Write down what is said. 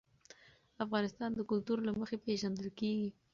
افغانستان د کلتور له مخې پېژندل کېږي.